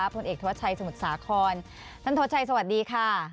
ผลเอกธวัชชัยสมุทรสาครท่านทศชัยสวัสดีค่ะ